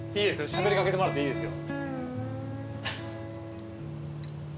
しゃべり掛けてもらっていいですよ。